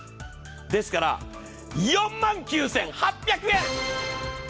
ですから、４万９８００円！